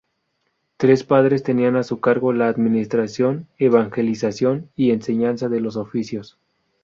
Tres padres tenían a su cargo la administración, evangelización y enseñanza de los oficios.